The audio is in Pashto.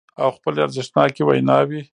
او خپلې ارزښتناکې ويناوې